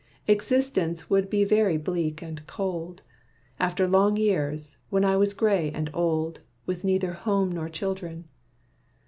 Existence would be very bleak and cold, After long years, when I was gray and old, With neither home nor children.